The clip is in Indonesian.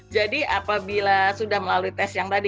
jadi apabila sudah melalui tes yang tadi